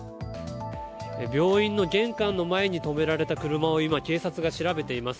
病院の玄関の前に止められた車を今警察が調べています。